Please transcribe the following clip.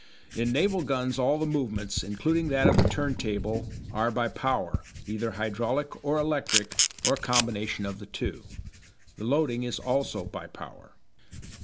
In naval guns all the movements, including that of the turntable, are by power, either hydraulic or electric, or a combination of the two. The loading is also by power.